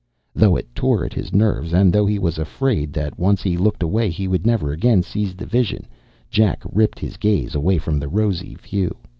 Though it tore at his nerves, and though he was afraid that once he looked away he would never again seize the vision, Jack ripped his gaze away from the rosy view.